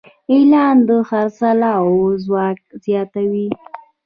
اعلان د خرڅلاو ځواک زیاتوي.